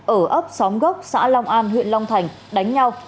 ở ấp xóm gốc xã long an huyện long thành đánh nhau